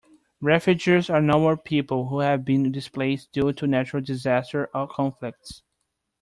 Refugees are normal people who have been displaced due to natural disaster or conflicts